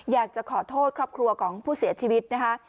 อยากจะขอโทษครอบครัวของผู้เสียชีวิตนะคะ